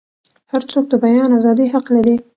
هرڅوک د بیان ازادۍ حق لري.